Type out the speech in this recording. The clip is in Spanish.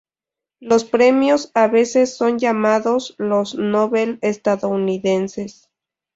Los premios a veces son llamados los "Nobel estadounidenses".